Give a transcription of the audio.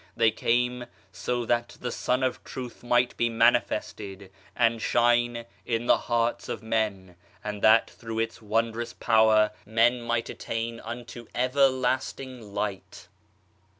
They came so that the Sun of Truth might be manifested, and shine in the hearts of men, and that through its wondrous power men might attain unto Everlasting Light.